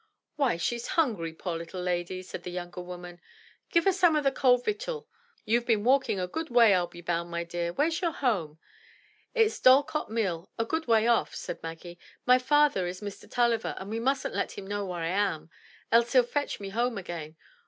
"Why, she's hungry, poor little lady,*' said the younger woman. "Give her some o' the cold victual. YouVe been walking a good way, ril be bound, my dear. Where's your home?" "It's Dorlcote Mill, a good way off," said Maggie. "My father is Mr. Tulliver, but we mustn't let him know where I am, else he'll fetch me home again.